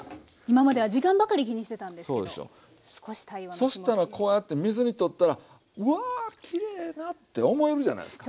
そしたらこうやって水にとったらうわきれいなって思えるじゃないですか。